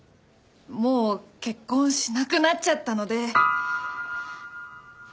もう結婚しなくなっちゃったので。